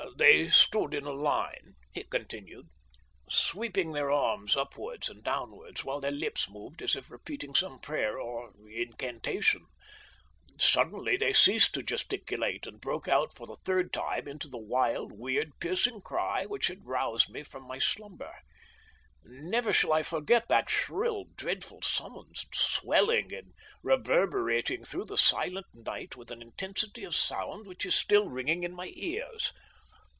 "They stood in a line," he continued, "sweeping their arms upwards and downwards, while their lips moved as if repeating some prayer or incantation. Suddenly they ceased to gesticulate, and broke out for the third time into the wild, weird, piercing cry which had roused me from my slumber. Never shall I forget that shrill, dreadful summons swelling and reverberating through the silent night with an intensity of sound which is still ringing in my ears.